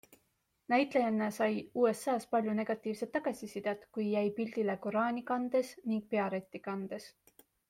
Näitlejanna sai USA's palju negatiivset tagasisidet, kui jäi pildile koraani kandes ning pearätti kandes.